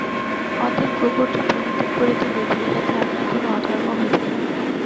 অতএব কুকুরটি পরিত্যাগ করিতে হইবে, ইহাতে আপনার কোন অধর্ম হইবে না।